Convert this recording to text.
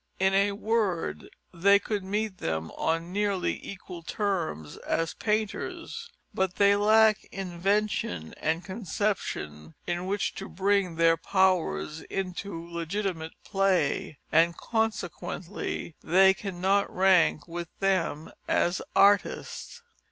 In a word, they could meet them on nearly equal terms as painters, but they lack invention and conception in which to bring their powers into legitimate play, and consequently they cannot rank with them as artists.